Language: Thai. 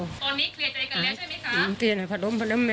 ตอนนี้เคลียร์ใจกันแล้วใช่ไหมคะ